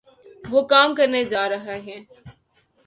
وہ کام کرنےجارہےہیں